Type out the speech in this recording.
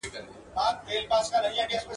له بل لوري بله مینه سم راوړلای !.